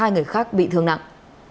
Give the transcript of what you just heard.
hai người khác bị thương nặng